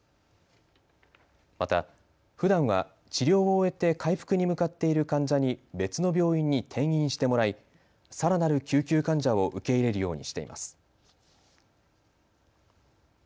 またふだんは治療を終えて回復に向かっている患者に別の病院に転院してもらいさらなる救急患者を受け入れるようにしています。